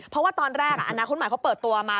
เพราะว่าตอนแรกอนาคตใหม่เขาเปิดตัวมา